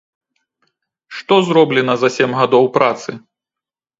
Што зроблена за сем гадоў працы?